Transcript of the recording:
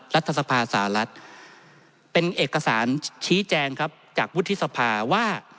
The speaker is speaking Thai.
รัฐสภาสหรัฐเป็นเอกสารชี้แจงครับจากวุฒิสภาว่า